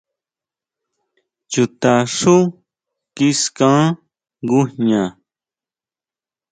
Chuta xú kiskan ngujña.